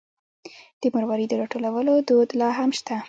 د مروارید د راټولولو دود لا هم شته.